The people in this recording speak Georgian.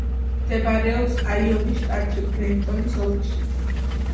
მდებარეობს აიოვის შტატში, ბენტონის ოლქში.